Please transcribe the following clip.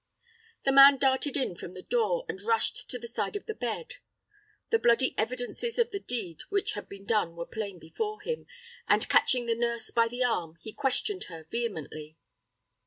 The man darted in from the door, and rushed to the side of the bed. The bloody evidences of the deed which had been done were plain before him, and catching the nurse by the arm, he questioned her vehemently.